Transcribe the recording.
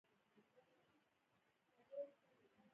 په تېرو کلونو کې ازادي راډیو د سوداګري په اړه راپورونه خپاره کړي دي.